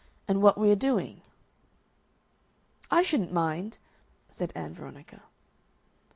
and what we are doing?" "I shouldn't mind," said Ann Veronica.